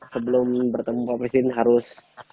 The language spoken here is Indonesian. sebelum bertemu pak presiden harus